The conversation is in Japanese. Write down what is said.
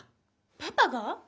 パパが？